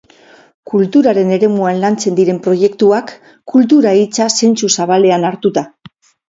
Kulturaren eremuan lantzen diren proiektuak, kultura hitza zentzu zabalean hartuta.